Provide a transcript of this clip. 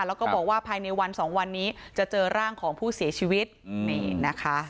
แล้วก็บอกว่าภายในวันสองวันนี้จะเจอร่างของผู้เสียชีวิตนี่นะคะ